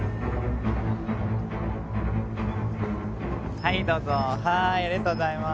はいどうぞはいありがとうございます。